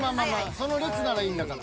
その列ならいいんだから。